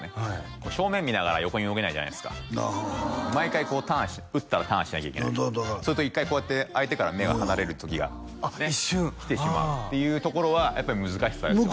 こう正面見ながら横に動けないじゃないですか毎回こうターンして打ったらターンしなきゃいけないすると１回こうやって相手から目が離れる時がね来てしまうっていうところはやっぱり難しさですよね